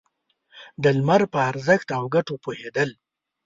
د لمر په ارزښت او گټو پوهېدل.